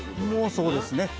もうそうですね。